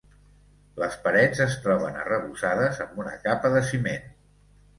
Les parets es troben arrebossades amb una capa de ciment.